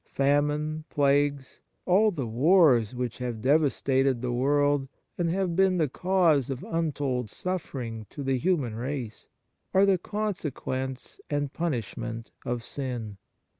Famine, plagues, all the wars which have devastated the world and have been the cause of untold suffer ing to the human race, are the consequence and punishment of sin.